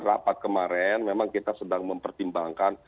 rapat kemarin memang kita sedang mempertimbangkan